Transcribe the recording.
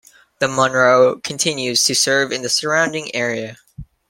The "Munro" continues to serve in the surrounding area.